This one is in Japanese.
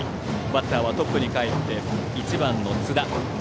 バッターはトップにかえって１番、津田。